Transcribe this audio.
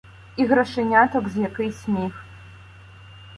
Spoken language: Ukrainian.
І грошеняток з якийсь міх.